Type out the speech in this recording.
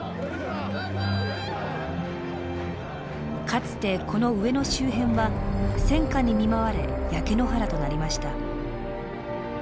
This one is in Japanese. かつてこの上野周辺は戦火に見舞われ焼け野原となりました。